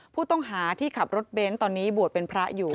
ผู้ต้องหาที่ขับรถเบนท์ตอนนี้บวชเป็นพระอยู่